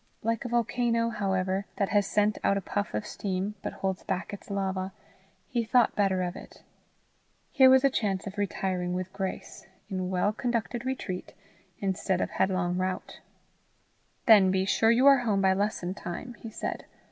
Like a volcano, however, that has sent out a puff of steam, but holds back its lava, he thought better of it: here was a chance of retiring with grace in well conducted retreat, instead of headlong rout. "Then be sure you are home by lesson time," he said.